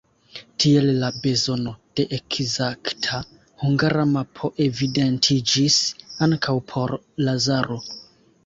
Tiel la bezono de ekzakta Hungara mapo evidentiĝis ankaŭ por Lazaro.